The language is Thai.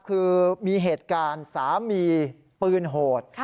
คือมีเหตุการณ์สามีปืนโหด